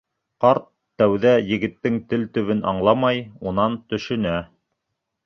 Ҡарт тәүҙә егеттең тел төбөн аңламай, унан төшөнә.